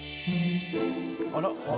あら。